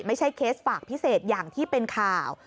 เคสฝากพิเศษอย่างที่เป็นข่าว